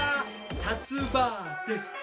たつ婆です。